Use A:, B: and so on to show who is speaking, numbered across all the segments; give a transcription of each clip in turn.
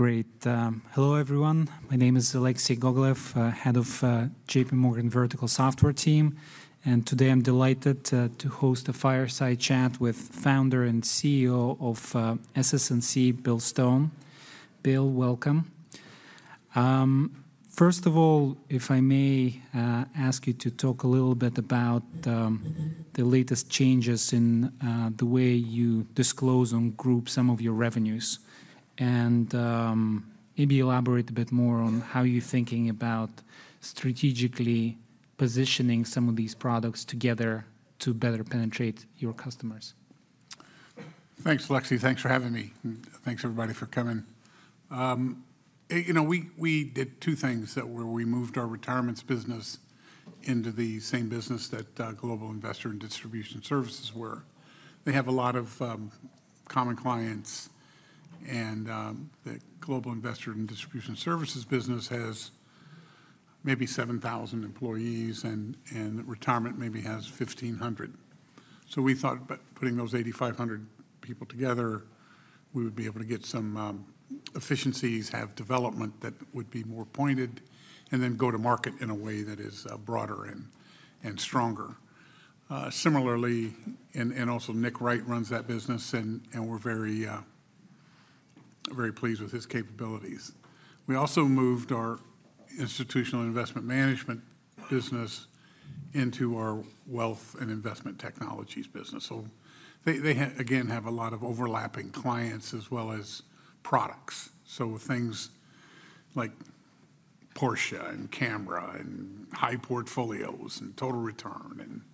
A: Great. Hello, everyone. My name is Alexei Gogolev, Head of JPMorgan Vertical Software team, and today I'm delighted to host a fireside chat with Founder and CEO of SS&C, Bill Stone. Bill, welcome. First of all, if I may, ask you to talk a little bit about the latest changes in the way you disclose and group some of your revenues. And, maybe elaborate a bit more on how you're thinking about strategically positioning some of these products together to better penetrate your customers.
B: Thanks, Alexei. Thanks for having me, and thanks, everybody, for coming. You know, we did two things. We moved our retirements business into the same business that Global Investor and Distribution Services were. They have a lot of common clients, and the Global Investor and Distribution Services business has maybe 7,000 employees, and Retirement maybe has 1,500. So we thought by putting those 8,500 people together, we would be able to get some efficiencies, have development that would be more pointed, and then go to market in a way that is broader and stronger. Similarly, and also Nick Wright runs that business, and we're very pleased with his capabilities. We also moved our Institutional & Investment Management business into our Wealth & Investment Technologies business. So they have again have a lot of overlapping clients as well as products. So things like Portia and CAMRA and HiPortfolio and Total Return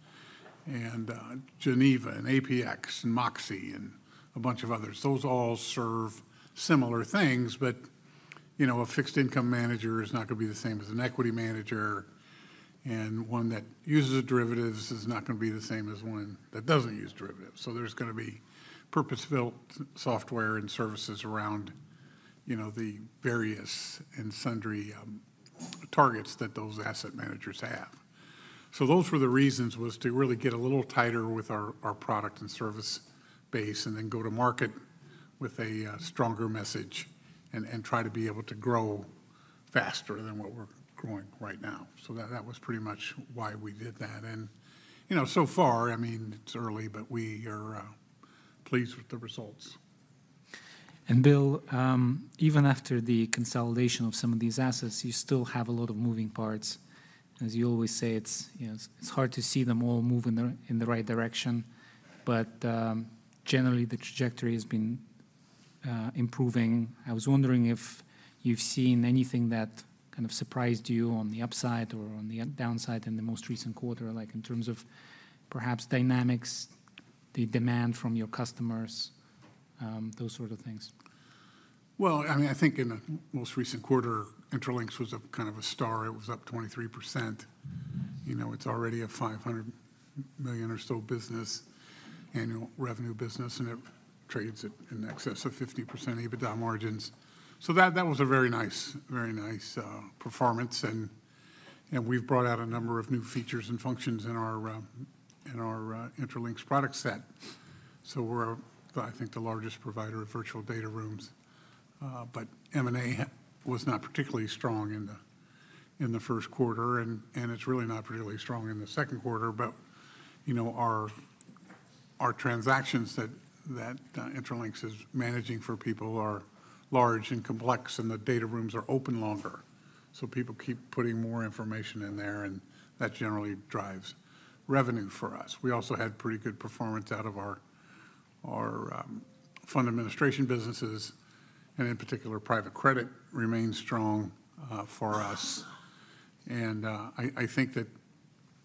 B: and Geneva and APX and Moxy and a bunch of others, those all serve similar things. But, you know, a fixed income manager is not gonna be the same as an equity manager, and one that uses derivatives is not gonna be the same as one that doesn't use derivatives. So there's gonna be purpose-built software and services around, you know, the various and sundry targets that those asset managers have. So those were the reasons, was to really get a little tighter with our product and service base and then go to market with a stronger message and try to be able to grow faster than what we're growing right now. So that, that was pretty much why we did that. And, you know, so far, I mean, it's early, but we are pleased with the results.
A: Bill, even after the consolidation of some of these assets, you still have a lot of moving parts. As you always say, it's, you know, it's hard to see them all move in the, in the right direction. But, generally, the trajectory has been improving. I was wondering if you've seen anything that kind of surprised you on the upside or on the downside in the most recent quarter, like in terms of perhaps dynamics, the demand from your customers, those sort of things?
B: Well, I mean, I think in the most recent quarter, Intralinks was a kind of a star. It was up 23%. You know, it's already a $500 million or so annual revenue business, and it trades at in excess of 50% EBITDA margins. So that, that was a very nice, very nice performance, and we've brought out a number of new features and functions in our Intralinks product set. So we're, I think, the largest provider of virtual data rooms. But M&A was not particularly strong in the first quarter, and it's really not particularly strong in the second quarter. But, you know, our transactions that Intralinks is managing for people are large and complex, and the data rooms are open longer. So people keep putting more information in there, and that generally drives revenue for us. We also had pretty good performance out of our fund administration businesses, and in particular, private credit remains strong for us. And I think that,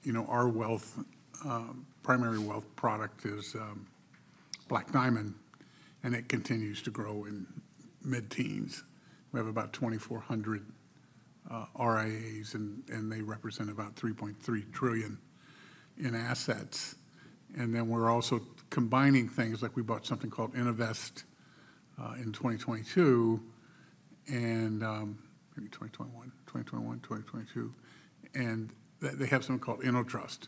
B: you know, our wealth primary wealth product is Black Diamond, and it continues to grow in mid-teens. We have about 2,400 RIAs, and they represent about $3.3 trillion in assets. And then we're also combining things, like we bought something called Innovest in 2022, and maybe 2021. 2021, 2022, and they have something called InnoTrust.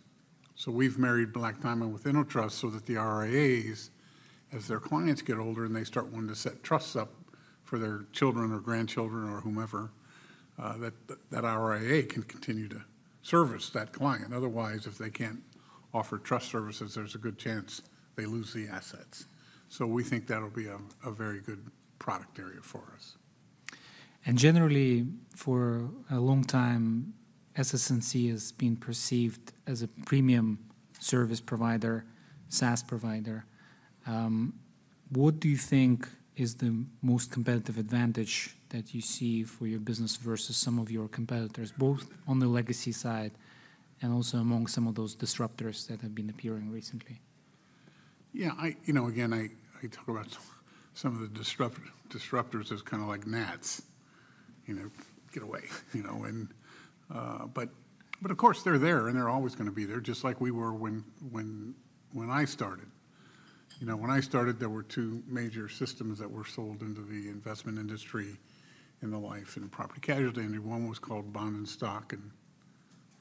B: So we've married Black Diamond with InnoTrust so that the RIAs, as their clients get older and they start wanting to set trusts up for their children or grandchildren or whomever, that RIA can continue to service that client. Otherwise, if they can't offer trust services, there's a good chance they lose the assets. So we think that'll be a very good product area for us.
A: Generally, for a long time, SS&C has been perceived as a premium service provider, SaaS provider. What do you think is the most competitive advantage that you see for your business versus some of your competitors, both on the legacy side and also among some of those disruptors that have been appearing recently?
B: Yeah. You know, again, I talk about some of the disruptors as kinda like gnats. You know, "Get away!" You know, and but of course, they're there, and they're always gonna be there, just like we were when I started. You know, when I started, there were two major systems that were sold into the investment industry, in the life and property casualty, and one was called Bond and Stock, and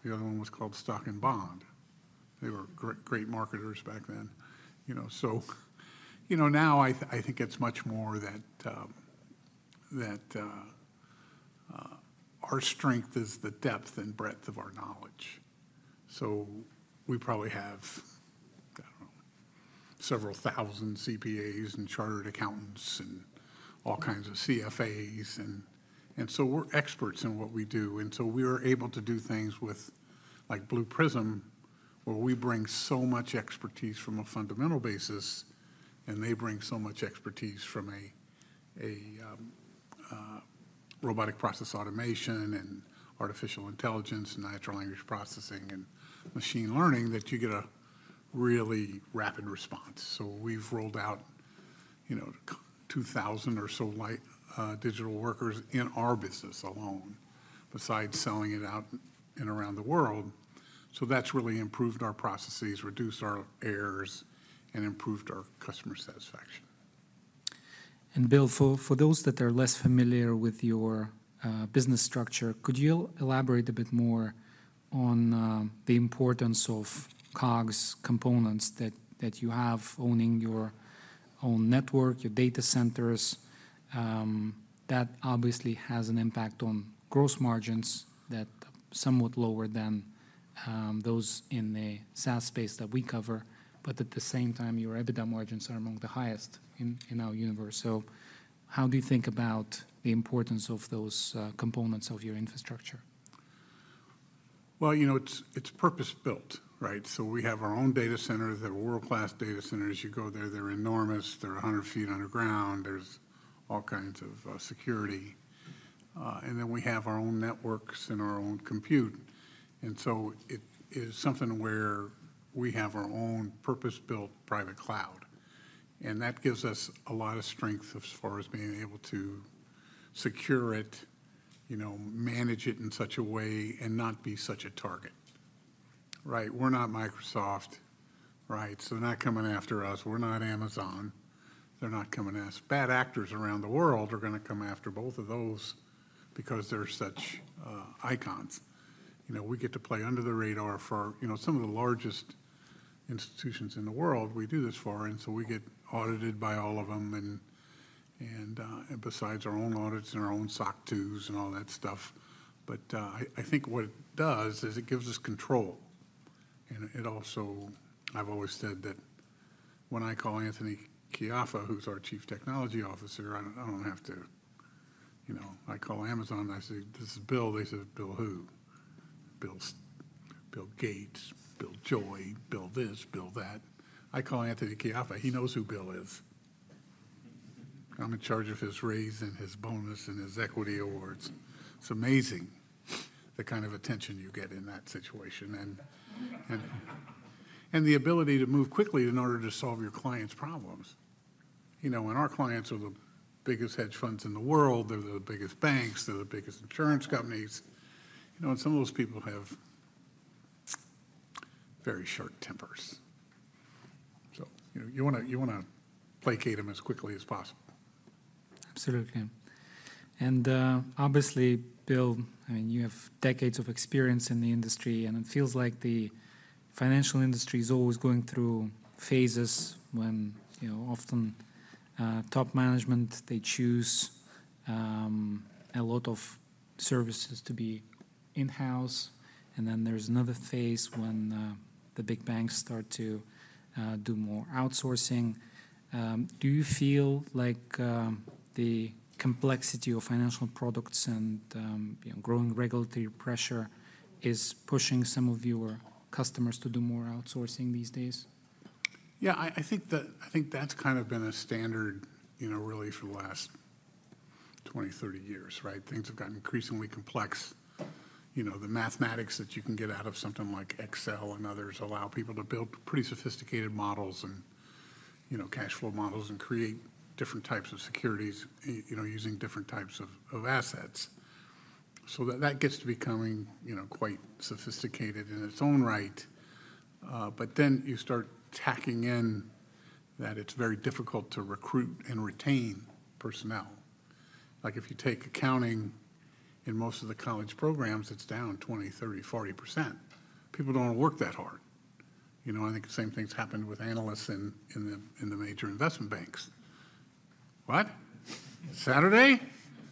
B: the other one was called Stock and Bond. They were great marketers back then, you know. So you know, now I think it's much more that our strength is the depth and breadth of our knowledge. So we probably have, I don't know, several thousand CPAs and chartered accountants and all kinds of CFAs, and so we're experts in what we do, and so we are able to do things with, like Blue Prism, where we bring so much expertise from a fundamental basis, and they bring so much expertise from a robotic process automation and artificial intelligence and natural language processing and machine learning, that you get a really rapid response. So we've rolled out, you know, 2,000 or so light digital workers in our business alone, besides selling it out and around the world. So that's really improved our processes, reduced our errors, and improved our customer satisfaction.
A: And Bill, for those that are less familiar with your business structure, could you elaborate a bit more on the importance of COGS components that you have owning your own network, your data centers? That obviously has an impact on gross margins that are somewhat lower than those in the SaaS space that we cover, but at the same time, your EBITDA margins are among the highest in our universe. So how do you think about the importance of those components of your infrastructure?
B: Well, you know, it's purpose-built, right? So we have our own data centers. They're world-class data centers. You go there, they're enormous. They're 100 feet underground. There's all kinds of security. And then we have our own networks and our own compute, and so it is something where we have our own purpose-built private cloud, and that gives us a lot of strength as far as being able to secure it, you know, manage it in such a way, and not be such a target, right? We're not Microsoft, right? So they're not coming after us. We're not Amazon. They're not coming after us. Bad actors around the world are gonna come after both of those because they're such icons. You know, we get to play under the radar for... You know, some of the largest institutions in the world, we do this for, and so we get audited by all of them, and, and, besides our own audits and our own SOC 2s and all that stuff. But, I, I think what it does is it gives us control, and it also, I've always said that when I call Anthony Caiafa, who's our Chief Technology Officer, I don't, I don't have to... You know, I call Amazon, I say, "This is Bill." They say, "Bill, who? Bill, Bill Gates, Bill Joy, Bill this, Bill that." I call Anthony Caiafa, he knows who Bill is. I'm in charge of his raise and his bonus and his equity awards. It's amazing the kind of attention you get in that situation and, and the ability to move quickly in order to solve your clients' problems. You know, when our clients are the biggest hedge funds in the world, they're the biggest banks, they're the biggest insurance companies, you know, and some of those people have very short tempers. So, you know, you wanna, you wanna placate them as quickly as possible.
A: Absolutely. And, obviously, Bill, I mean, you have decades of experience in the industry, and it feels like the financial industry is always going through phases when, you know, often, top management, they choose, a lot of services to be in-house, and then there's another phase when, the big banks start to, do more outsourcing. Do you feel like, the complexity of financial products and, you know, growing regulatory pressure is pushing some of your customers to do more outsourcing these days?
B: Yeah, I think that, I think that's kind of been a standard, you know, really for the last 20-30 years, right? Things have gotten increasingly complex. You know, the mathematics that you can get out of something like Excel and others allow people to build pretty sophisticated models and, you know, cash flow models, and create different types of securities, you know, using different types of, of assets. So that, that gets to becoming, you know, quite sophisticated in its own right, but then you start tacking in that it's very difficult to recruit and retain personnel. Like if you take accounting, in most of the college programs, it's down 20, 30, 40%. People don't want to work that hard. You know, I think the same thing's happened with analysts in, in the, in the major investment banks. "What? Saturday?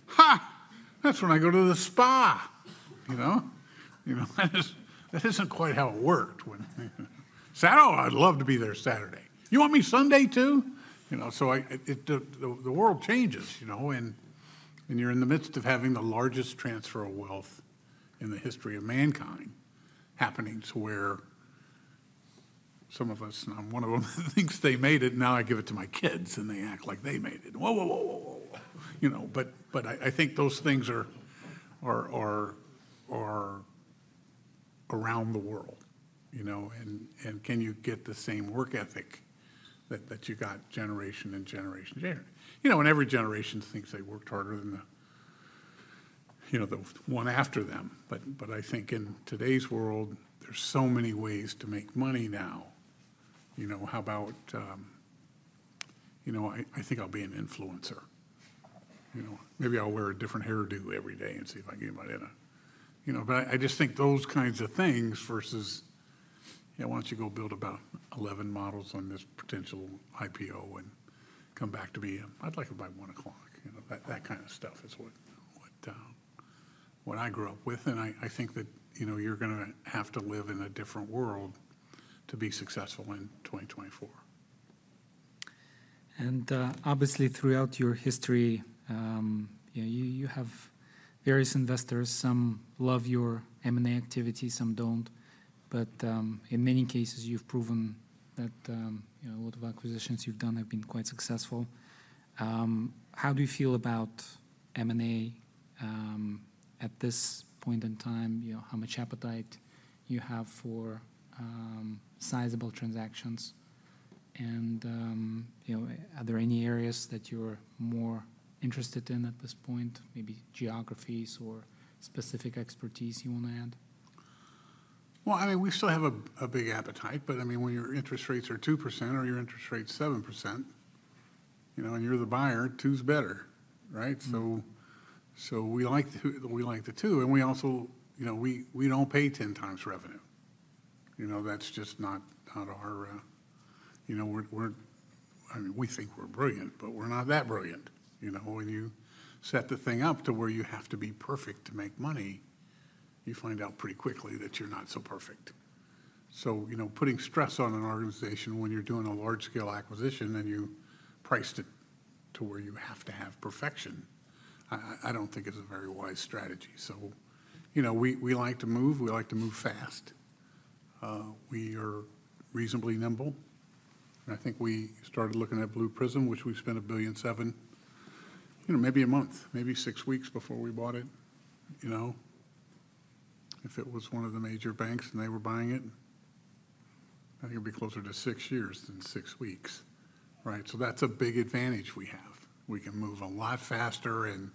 B: Ha! That's when I go to the spa," you know? You know, that isn't, that isn't quite how it worked when... "Saturday? Oh, I'd love to be there Saturday. You want me Sunday, too?" You know, so I, it, the, the world changes, you know, and, and you're in the midst of having the largest transfer of wealth in the history of mankind happening to where some of us, and I'm one of them, thinks they made it, now I give it to my kids, and they act like they made it. Whoa, whoa, whoa, whoa, whoa! You know, but, but I, I think those things are, are, are, are around the world, you know, and, and can you get the same work ethic that, that you got generation and generation to generation? You know, and every generation thinks they worked harder than the, you know, the one after them, but, but I think in today's world, there's so many ways to make money now. You know, how about, you know, I, I think I'll be an influencer. You know, maybe I'll wear a different hairdo every day and see if I get my edit. You know, but I, I just think those kinds of things versus, "Yeah, why don't you go build about 11 models on this potential IPO and come back to me. I'd like it by 1:00." You know, that, that kind of stuff is what, what, what I grew up with, and I, I think that, you know, you're gonna have to live in a different world to be successful in 2024.
A: And, obviously, throughout your history, you know, you, you have various investors. Some love your M&A activity, some don't. But, in many cases you've proven that, you know, a lot of acquisitions you've done have been quite successful. How do you feel about M&A, at this point in time? You know, how much appetite you have for sizable transactions, and, you know, are there any areas that you're more interested in at this point, maybe geographies or specific expertise you want to add?
B: Well, I mean, we still have a big appetite, but I mean, when your interest rates are 2% or your interest rate's 7%, you know, and you're the buyer, 2's better, right?
A: Mm.
B: So, we like the two, and we also, you know, we don't pay 10 times revenue. You know, that's just not our. You know, we're—I mean, we think we're brilliant, but we're not that brilliant. You know, when you set the thing up to where you have to be perfect to make money, you find out pretty quickly that you're not so perfect. So, you know, putting stress on an organization when you're doing a large-scale acquisition, and you priced it to where you have to have perfection, I don't think is a very wise strategy. So, you know, we like to move fast. We are reasonably nimble, and I think we started looking at Blue Prism, which we spent $1.7 billion, you know, maybe a month, maybe 6 weeks before we bought it. You know, if it was one of the major banks and they were buying it, I think it'd be closer to 6 years than 6 weeks, right? So that's a big advantage we have. We can move a lot faster and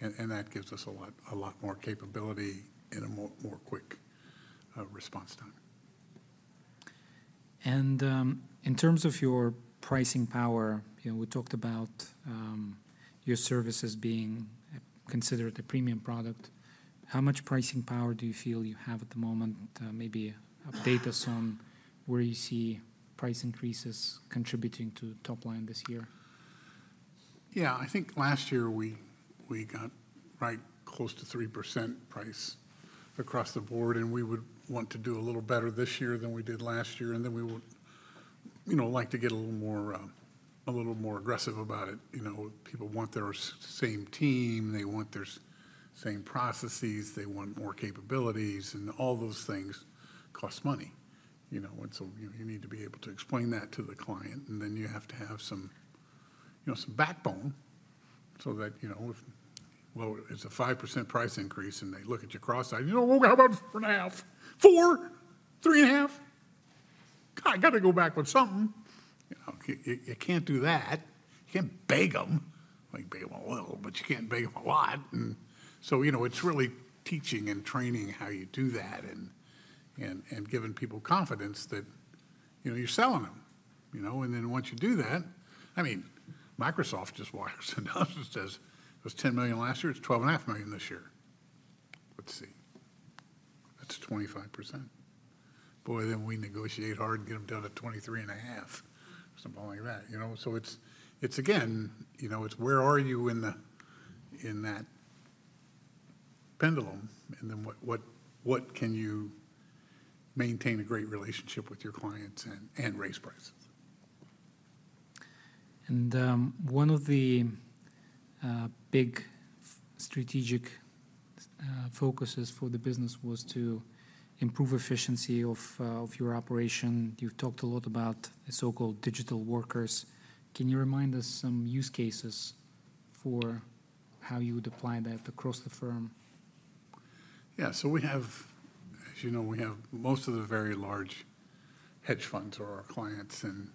B: that gives us a lot, a lot more capability and a more quick response time.
A: In terms of your pricing power, you know, we talked about your services being considered a premium product. How much pricing power do you feel you have at the moment? Update us on where you see price increases contributing to the top line this year.
B: Yeah, I think last year we got right close to 3% price across the board, and we would want to do a little better this year than we did last year, and then we would, you know, like to get a little more, a little more aggressive about it. You know, people want their same team, they want their same processes, they want more capabilities, and all those things cost money, you know. And so you, you need to be able to explain that to the client, and then you have to have some, you know, some backbone so that, you know, if, well, it's a 5% price increase and they look at you cross-eyed, "You know, well, how about 4.5? 4? 3.5? God, I gotta go back with something!" You know, you can't do that. You can't beg them. Well, you can beg them a little, but you can't beg them a lot. And so, you know, it's really teaching and training how you do that, and, and, and giving people confidence that, you know, you're selling them. You know, and then once you do that... I mean, Microsoft just wires announcements says, "It was $10 million last year, it's $12.5 million this year." Let's see. That's 25%. Boy, then we negotiate hard and get them down to 23.5%, something like that, you know? So it's, it's, again, you know, it's where are you in the, in that pendulum, and then what, what, what can you maintain a great relationship with your clients and, and raise prices?
A: One of the big strategic focuses for the business was to improve efficiency of your operation. You've talked a lot about the so-called digital workers. Can you remind us some use cases for how you would apply that across the firm?
B: Yeah. So we have, as you know, we have most of the very large hedge funds are our clients, and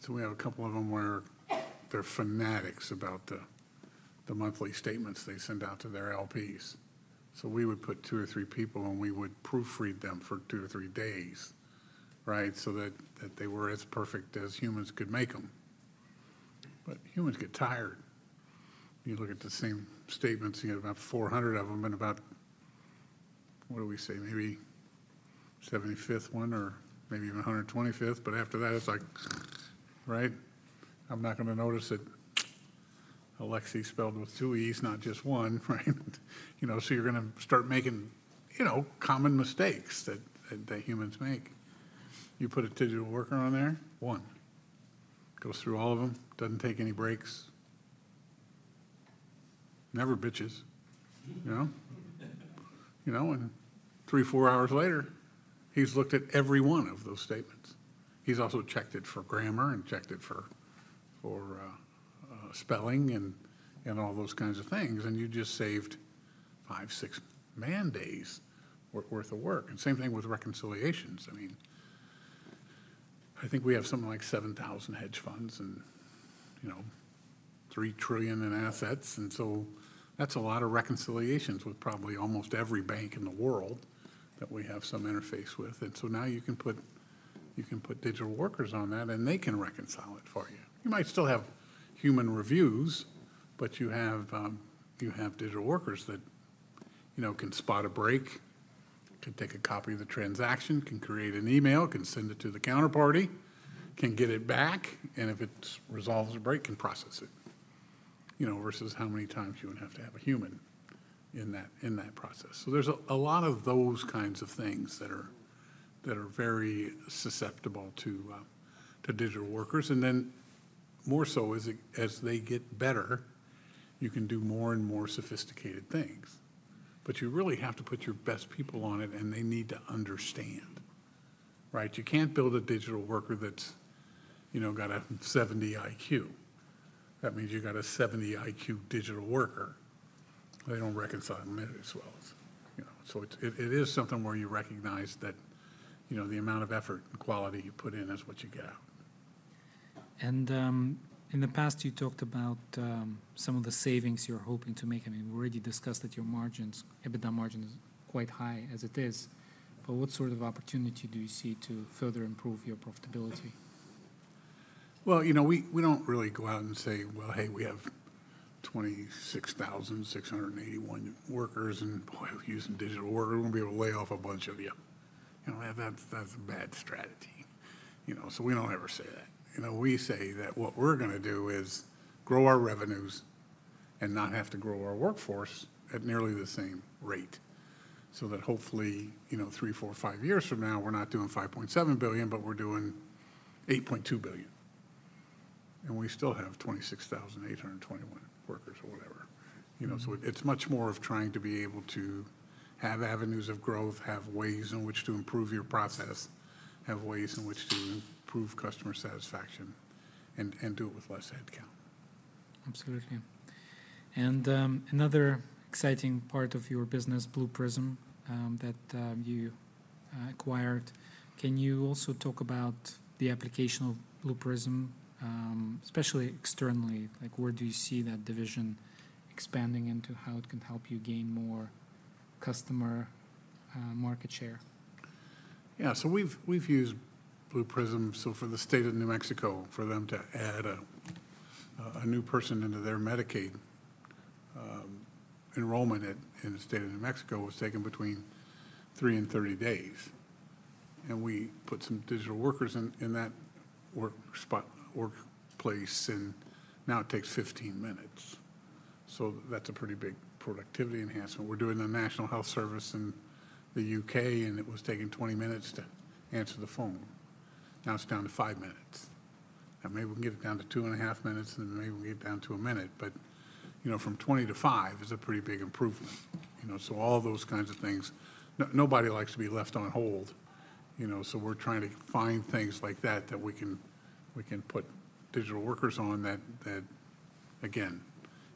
B: so we have a couple of them where they're fanatics about the, the monthly statements they send out to their LPs. So we would put two or three people, and we would proofread them for two or three days, right? So that, that they were as perfect as humans could make them. But humans get tired. You look at the same statements, you get about 400 of them, and about, what do we say? Maybe 75th one or maybe even 125th, but after that, it's like right? I'm not gonna notice that Alexei is spelled with two E's, not just one, right? You know, so you're gonna start making, you know, common mistakes that, that, that humans make. You put a digital worker on there, one. Goes through all of them, doesn't take any breaks. Never bitches. You know? You know, and 3, 4 hours later, he's looked at every one of those statements. He's also checked it for grammar and checked it for spelling and all those kinds of things, and you just saved 5, 6 man days worth of work. And same thing with reconciliations. I mean, I think we have something like 7,000 hedge funds and, you know, $3 trillion in assets, and so that's a lot of reconciliations with probably almost every bank in the world that we have some interface with. And so now you can put, you can put digital workers on that, and they can reconcile it for you. You might still have human reviews, but you have Digital Workers that, you know, can spot a break, can take a copy of the transaction, can create an email, can send it to the counterparty, can get it back, and if it resolves a break, can process it. You know, versus how many times you would have to have a human in that process. So there's a lot of those kinds of things that are very susceptible to Digital Workers, and then more so as they get better, you can do more and more sophisticated things. But you really have to put your best people on it, and they need to understand, right? You can't build a Digital Worker that's, you know, got a 70 IQ. That means you got a 70 IQ Digital Worker. They don't reconcile them near as well as, you know... So it's, it is something where you recognize that, you know, the amount of effort and quality you put in, that's what you get out.
A: In the past, you talked about some of the savings you're hoping to make, and we've already discussed that your margins, EBITDA margin, is quite high as it is. But what sort of opportunity do you see to further improve your profitability?
B: Well, you know, we don't really go out and say, "Well, hey, we have 26,681 workers, and boy, using digital workers, we're gonna be able to lay off a bunch of you." You know, that's, that's a bad strategy, you know, so we don't ever say that. You know, we say that what we're gonna do is grow our revenues and not have to grow our workforce at nearly the same rate, so that hopefully, you know, three, four, five years from now, we're not doing $5.7 billion, but we're doing $8.2 billion, and we still have 26,821 workers or whatever. You know, so it's much more of trying to be able to have avenues of growth, have ways in which to improve your process, have ways in which to improve customer satisfaction, and do it with less headcount.
A: Absolutely. And, another exciting part of your business, Blue Prism, that you acquired. Can you also talk about the application of Blue Prism, especially externally? Like, where do you see that division expanding into, how it can help you gain more customer, market share?
B: Yeah, so we've used Blue Prism. So for the state of New Mexico, for them to add a new person into their Medicaid enrollment in the state of New Mexico, was taking between 3 and 30 days, and we put some digital workers in that workplace, and now it takes 15 minutes. So that's a pretty big productivity enhancement. We're doing the National Health Service in the U.K., and it was taking 20 minutes to answer the phone. Now it's down to 5 minutes, and maybe we can get it down to 2.5 minutes, and then maybe we can get it down to a minute. But, you know, from 20 to 5 is a pretty big improvement, you know, so all those kinds of things. Nobody likes to be left on hold, you know, so we're trying to find things like that that we can put digital workers on, that again,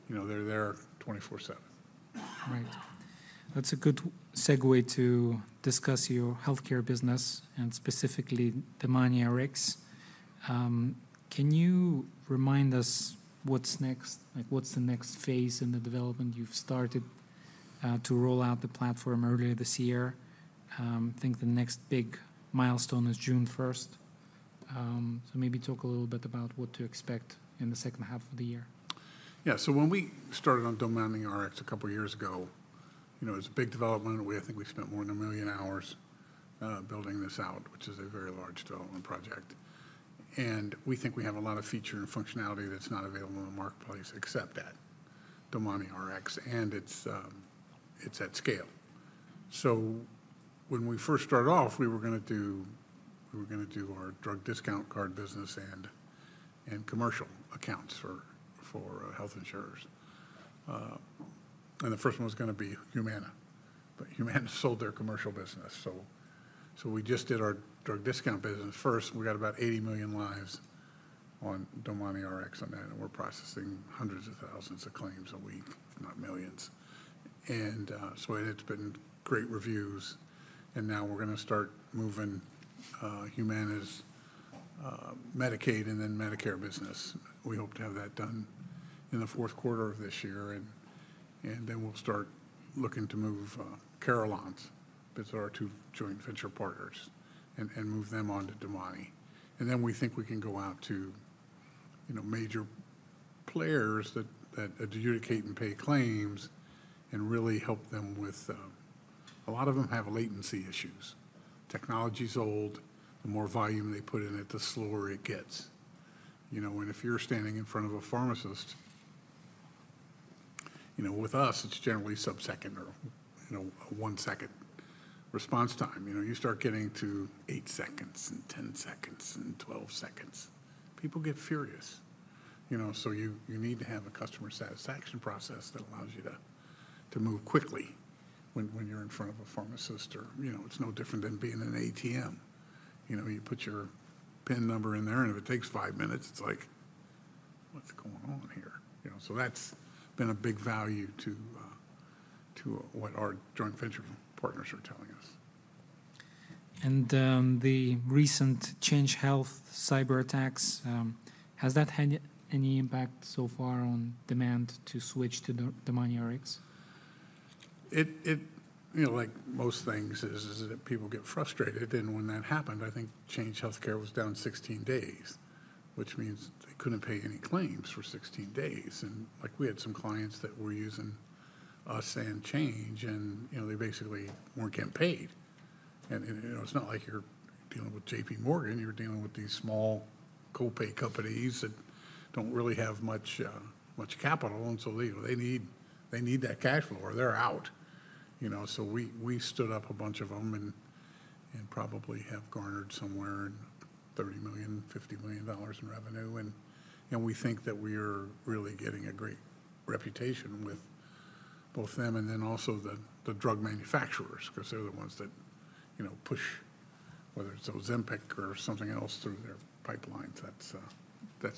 B: you know, they're there 24/7.
A: Right. That's a good segue to discuss your healthcare business and specifically DomaniRx. Can you remind us what's next? Like, what's the next phase in the development? You've started to roll out the platform earlier this year. I think the next big milestone is June first. So maybe talk a little bit about what to expect in the second half of the year.
B: Yeah. So when we started on DomaniRx a couple years ago, you know, it was a big development. We, I think, we spent more than 1 million hours building this out, which is a very large development project, and we think we have a lot of feature and functionality that's not available in the marketplace except at DomaniRx, and it's at scale. So when we first started off, we were gonna do, we were gonna do our drug discount card business and commercial accounts for health insurers. And the first one was gonna be Humana, but Humana sold their commercial business. So we just did our drug discount business first. We got about 80 million lives on DomaniRx on that, and we're processing hundreds of thousands of claims a week, if not millions. So it's been great reviews, and now we're gonna start moving Humana's Medicaid and then Medicare business. We hope to have that done in the fourth quarter of this year, and then we'll start looking to move Carelon's. That's our two joint venture partners, and move them on to Domani. And then we think we can go out to, you know, major players that adjudicate and pay claims and really help them with... A lot of them have latency issues. Technology's old. The more volume they put in it, the slower it gets. You know, and if you're standing in front of a pharmacist, you know, with us, it's generally sub-second or, you know, a one-second response time. You know, you start getting to 8 seconds and 10 seconds and 12 seconds, people get furious. You know, so you need to have a customer satisfaction process that allows you to move quickly when you're in front of a pharmacist or, you know, it's no different than being in an ATM. You know, you put your PIN number in there, and if it takes five minutes, it's like, "What's going on here?" You know, so that's been a big value to what our joint venture partners are telling us....
A: And, the recent Change Healthcare cyber attacks, has that had any impact so far on demand to switch to the, the DomaniRx?
B: It, you know, like most things, is that people get frustrated. When that happened, I think Change Healthcare was down 16 days, which means they couldn't pay any claims for 16 days. Like, we had some clients that were using us and Change, and, you know, they basically weren't getting paid. You know, it's not like you're dealing with JPMorgan, you're dealing with these small co-pay companies that don't really have much capital, and so they need that cash flow or they're out. You know, so we stood up a bunch of them and probably have garnered somewhere in $30 million-$50 million in revenue. We think that we're really getting a great reputation with both them, and then also the drug manufacturers, 'cause they're the ones that, you know, push, whether it's Ozempic or something else, through their pipelines. That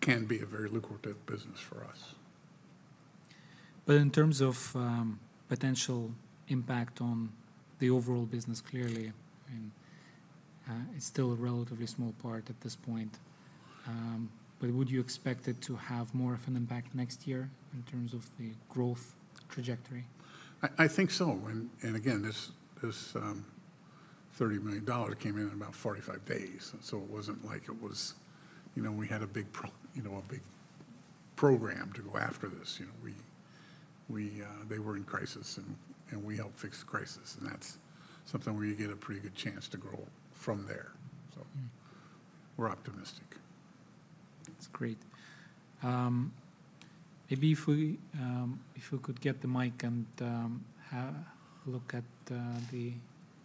B: can be a very lucrative business for us.
A: But in terms of potential impact on the overall business, clearly, I mean, it's still a relatively small part at this point, but would you expect it to have more of an impact next year in terms of the growth trajectory?
B: I think so. And again, this $30 million came in in about 45 days, and so it wasn't like it was... You know, we had a big you know, a big program to go after this. You know, they were in crisis, and we helped fix the crisis, and that's something where you get a pretty good chance to grow from there. So-
A: Mm.
B: -we're optimistic.
A: That's great. Maybe if we, if we could get the mic and look at the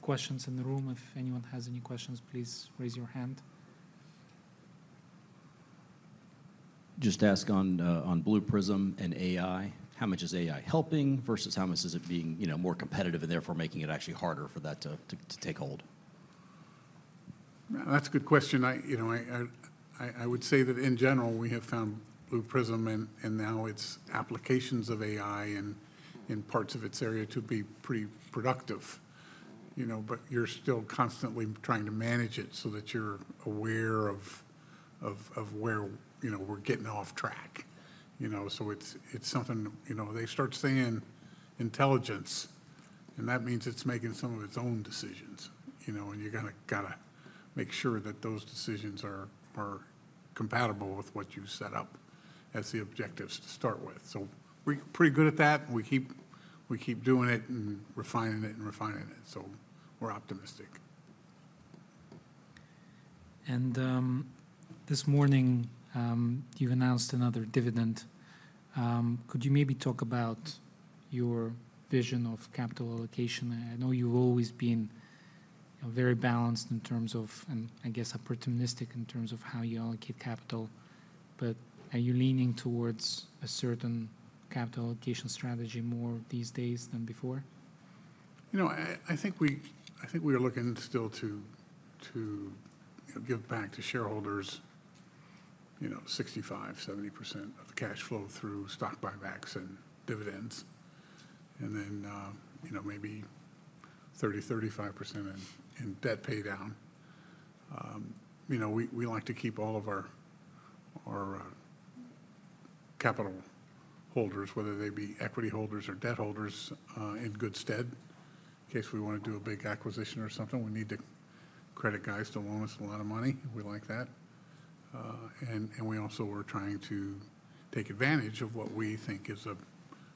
A: questions in the room. If anyone has any questions, please raise your hand.
C: Just ask on Blue Prism and AI, how much is AI helping versus how much is it being, you know, more competitive and therefore making it actually harder for that to take hold?
B: That's a good question. I, you know, would say that in general, we have found Blue Prism and now its applications of AI in parts of its area to be pretty productive. You know, but you're still constantly trying to manage it so that you're aware of where, you know, we're getting off track. You know, so it's something. You know, they start saying "intelligence," and that means it's making some of its own decisions, you know, and you gotta make sure that those decisions are compatible with what you set up as the objectives to start with. So we're pretty good at that. We keep doing it and refining it and refining it, so we're optimistic.
A: This morning, you announced another dividend. Could you maybe talk about your vision of capital allocation? I know you've always been, you know, very balanced in terms of, and I guess opportunistic in terms of how you allocate capital, but are you leaning towards a certain capital allocation strategy more these days than before?
B: You know, I think we are looking still to you know, give back to shareholders, you know, 65-70% of the cash flow through stock buybacks and dividends, and then, you know, maybe 30-35% in debt paydown. You know, we like to keep all of our capital holders, whether they be equity holders or debt holders, in good stead. In case we wanna do a big acquisition or something, we need the credit guys to loan us a lot of money. We like that. And we also are trying to take advantage of what we think is a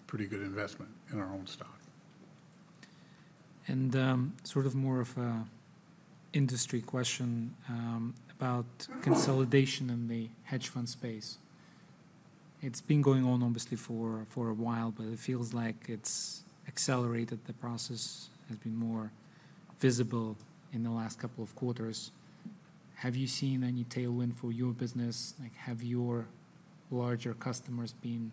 B: pretty good investment in our own stock.
A: Sort of more of an industry question about consolidation in the hedge fund space. It's been going on obviously for a while, but it feels like it's accelerated. The process has been more visible in the last couple of quarters. Have you seen any tailwind for your business? Like, have your larger customers been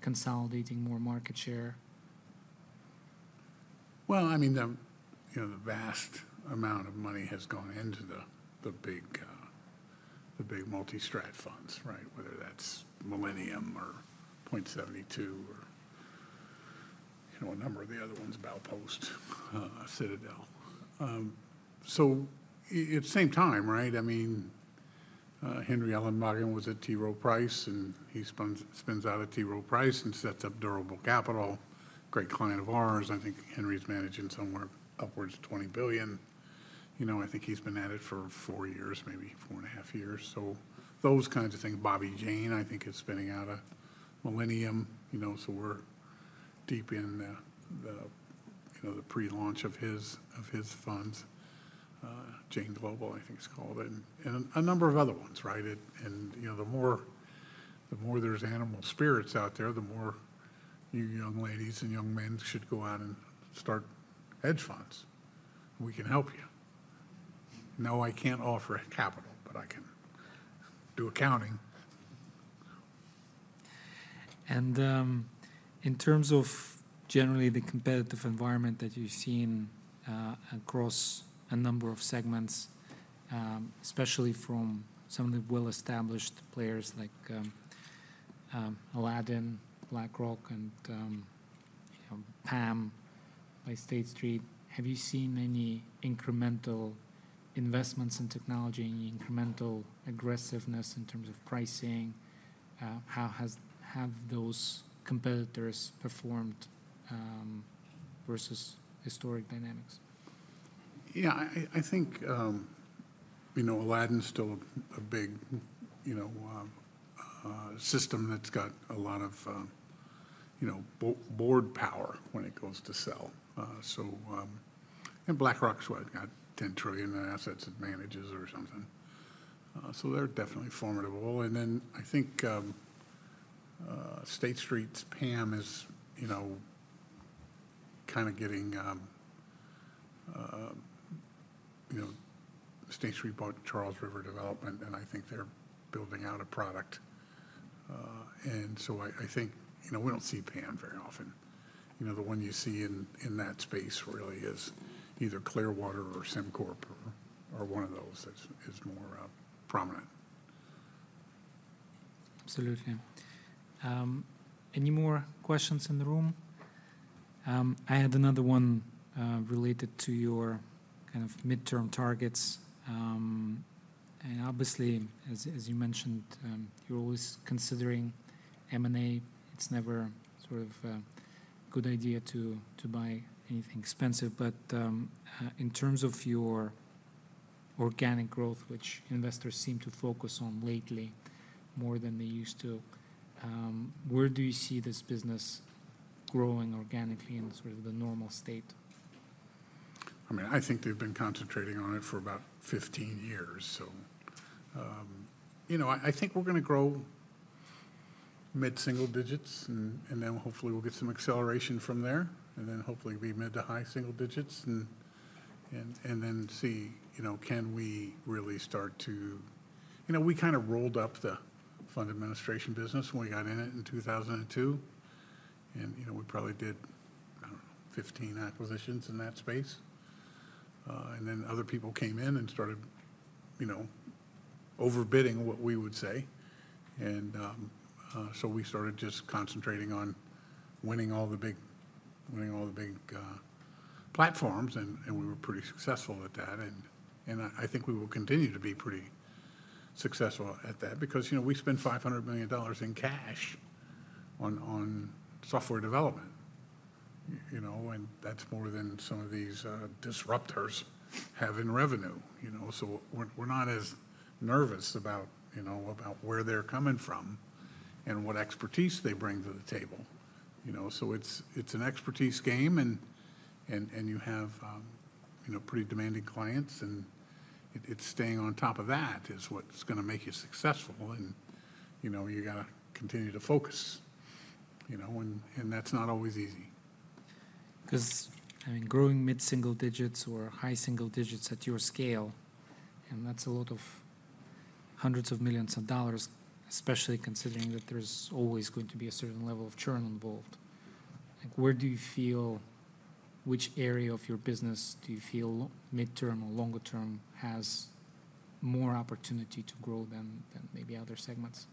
A: consolidating more market share?
B: Well, I mean, you know, the vast amount of money has gone into the big multi-strat funds, right? Whether that's Millennium or Point72 or, you know, a number of the other ones, Baupost, Citadel. So at the same time, right, I mean, Henry Ellenbogen was at T. Rowe Price, and he spins out of T. Rowe Price and sets up Durable Capital, great client of ours. I think Henry's managing somewhere upwards of $20 billion. You know, I think he's been at it for four years, maybe four and a half years. So those kinds of things. Bobby Jain, I think, is spinning out of Millennium, you know, so we're deep in the, you know, the pre-launch of his funds, Jain Global, I think it's called, and a number of other ones, right? You know, the more, the more there's animal spirits out there, the more you young ladies and young men should go out and start hedge funds. We can help you. No, I can't offer capital, but I can do accounting.
A: In terms of generally the competitive environment that you've seen, across a number of segments, especially from some of the well-established players like, Aladdin, BlackRock, and, you know, PAM by State Street, have you seen any incremental investments in technology, any incremental aggressiveness in terms of pricing? How have those competitors performed, versus historic dynamics?
B: Yeah, I think, you know, Aladdin's still a big, you know, system that's got a lot of, you know, board power when it goes to sell. So... And BlackRock's what? Got 10 trillion in assets it manages or something. So they're definitely formidable. And then I think, State Street's PAM is, you know, kinda getting... You know, State Street bought Charles River Development, and I think they're building out a product. And so I think, you know, we don't see PAM very often. You know, the one you see in that space really is either Clearwater or SimCorp or one of those that's more prominent.
A: Absolutely. Any more questions in the room? I had another one related to your kind of midterm targets. And obviously, as you mentioned, you're always considering M&A. It's never sort of a good idea to buy anything expensive, but in terms of your organic growth, which investors seem to focus on lately more than they used to, where do you see this business growing organically in sort of the normal state?
B: I mean, I think they've been concentrating on it for about 15 years, so... You know, I, I think we're gonna grow mid-single digits, and, and then hopefully we'll get some acceleration from there, and then hopefully be mid to high single digits, and, and, and then see, you know, can we really start to... You know, we kinda rolled up the fund administration business when we got in it in 2002, and, you know, we probably did, I don't know, 15 acquisitions in that space. And then other people came in and started, you know, overbidding what we would say. So we started just concentrating on winning all the big, winning all the big, platforms, and, and we were pretty successful at that. I think we will continue to be pretty successful at that because, you know, we spend $500 million in cash on software development, you know, and that's more than some of these disruptors have in revenue, you know? So we're not as nervous about, you know, about where they're coming from and what expertise they bring to the table, you know? So it's an expertise game, and you have, you know, pretty demanding clients, and it's staying on top of that is what's gonna make you successful, and, you know, you gotta continue to focus, you know, and that's not always easy.
A: 'Cause, I mean, growing mid-single digits or high single digits at your scale, and that's a lot of $hundreds of millions, especially considering that there's always going to be a certain level of churn involved. Like, where do you feel, which area of your business do you feel mid-term or longer term has more opportunity to grow than, than maybe other segments?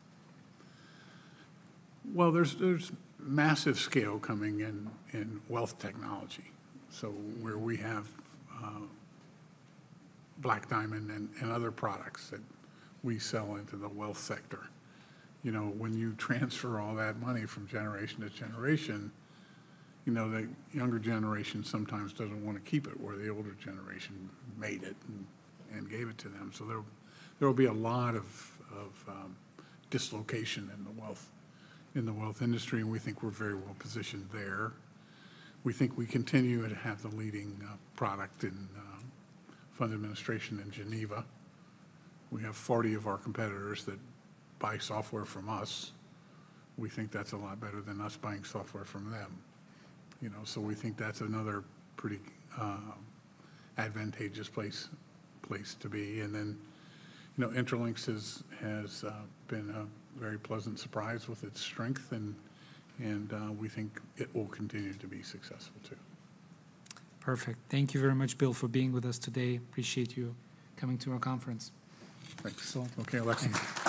B: Well, there's massive scale coming in wealth technology, so where we have Black Diamond and other products that we sell into the wealth sector. You know, when you transfer all that money from generation to generation, you know, the younger generation sometimes doesn't wanna keep it where the older generation made it and gave it to them. So there will be a lot of dislocation in the wealth industry, and we think we're very well positioned there. We think we continue to have the leading product in fund administration in Geneva. We have 40 of our competitors that buy software from us. We think that's a lot better than us buying software from them, you know, so we think that's another pretty advantageous place to be. And then, you know, Intralinks has been a very pleasant surprise with its strength, and we think it will continue to be successful, too.
A: Perfect. Thank you very much, Bill, for being with us today. Appreciate you coming to our conference.
B: Thank you so much. Okay, Alexei.